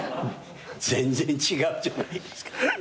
全然違うじゃないですか。